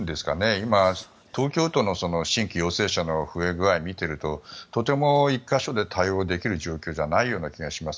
今、東京都の新規陽性者の増え具合を見ているととても１か所で対応できる状況ではない気がします。